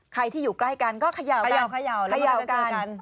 ใครที่อยู่ใกล้กันก็เขย่ากันเขย่ากัน